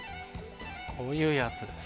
こういうやつです。